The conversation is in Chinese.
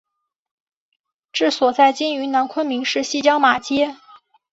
治所在今云南昆明市西郊马街。